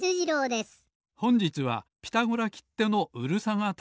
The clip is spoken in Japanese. ほんじつは「ピタゴラ」きってのうるさがた